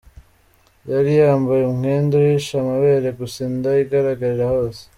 Yari yambaye umwenda uhisha amabere gusa, inda igaragarira bose.